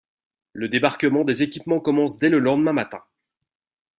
Le débarquement des équipements commence dès le lendemain matin.